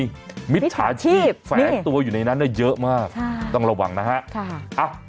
แล้วมันมีมิถาชีพแฟลกตัวอยู่ในนั้นเยอะมากต้องระวังนะฮะ